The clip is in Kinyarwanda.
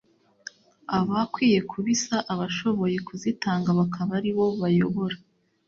aba akwiye kubisa abashoboye kuzitanga bakaba ari bo bayobora